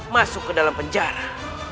masuk ke dalam penjara